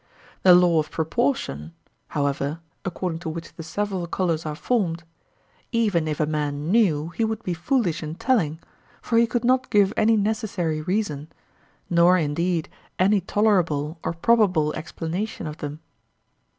The law of proportion, however, according to which the several colours are formed, even if a man knew he would be foolish in telling, for he could not give any necessary reason, nor indeed any tolerable or probable explanation of them.